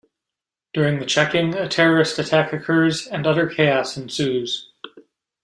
During the checking, a terrorist attack occurs and utter chaos ensues.